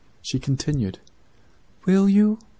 "She continued: "'Will you?